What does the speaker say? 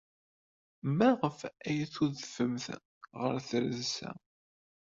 Maɣef ay tudfemt ɣer tredsa?